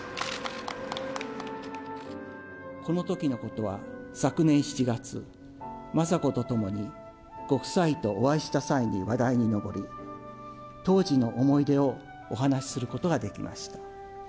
このときのことは昨年７月、雅子と共にご夫妻とお会いした際に話題に上り、当時の思い出をお話することができました。